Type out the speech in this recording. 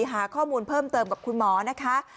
หาข้อมูลเพิ่มเติมกับคุณหมอนะคะ